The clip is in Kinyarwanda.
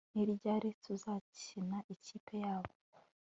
Ni ryari tuzakina ikipe yabo